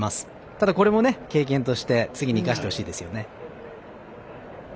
ただ、これも経験として次に生かしてほしいですよね。